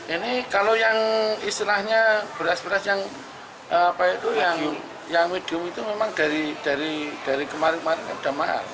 ini kalau yang istilahnya beras beras yang medium itu memang dari kemarin kemarin sudah mahal